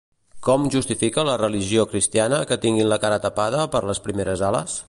Com justifica la religió cristiana que tinguin la cara tapada per les primeres ales?